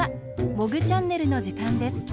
「モグチャンネル」のじかんです。